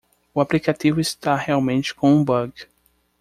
O aplicativo está realmente com um bug.